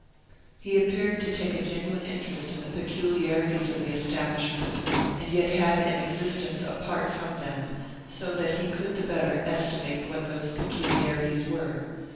He appeared to take a genuine interest in the peculiarities of the establishment, and yet had an existence apart from them, so that he could the better estimate what those peculiarities were.